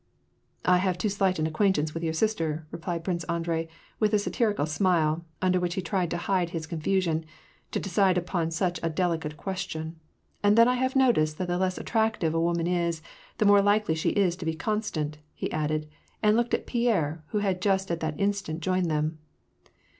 '^ I have too slight an acqaaiiitance with your sister," replied Prince Andrei with a satirical smile, under which he tried to hide his confusion, ^' to decide upon such a delicate question ; and then I have noticed that the less attractive a woman is, the more likely she is to be constant," he added, and looked at Pierre, who had just at that instant joined them.